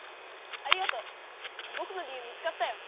ありがとう！ぼくの理由見つかったよ。